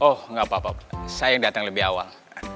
oh enggak apa apa saya yang datang lebih awal